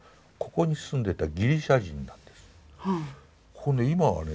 ここね今はね